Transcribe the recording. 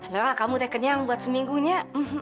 lo lah kamu teh kenyang buat seminggunya